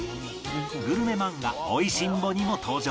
グルメ漫画『美味しんぼ』にも登場